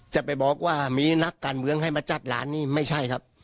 จะไปบอกว่ามีนักการเมืองให้มาจัดหลานนี่ไม่ใช่ครับ